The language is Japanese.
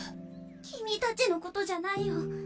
君たちのことじゃないよ。